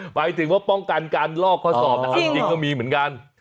หมายถึงว่าป้องกันการลอกข้อสอบแต่เอาจริงก็มีเหมือนกัน